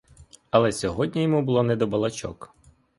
Але сьогодні йому було не до балачок.